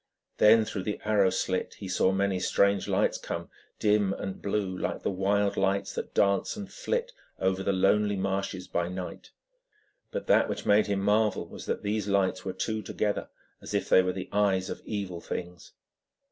Then, through the arrow slit, he saw many strange lights come, dim and blue like the wild lights that dance and flit over the lonely marshes by night; but that which made him marvel was that these lights were two together, as if they were the eyes of evil things.